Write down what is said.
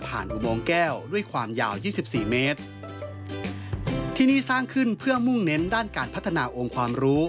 ผ่านอุโมงแก้วด้วยความยาว๒๔เมตร